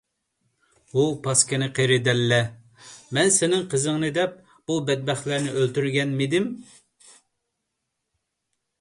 ھۇ پاسكىنا قېرى دەللە! مەن سېنىڭ قىزىڭنى دەپ بۇ بەتبەختلەرنى ئۆلتۈرگەنمىدىم؟